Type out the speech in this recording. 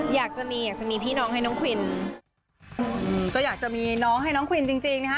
อยากจะมีอยากจะมีพี่น้องให้น้องควินอืมก็อยากจะมีน้องให้น้องควินจริงจริงนะฮะ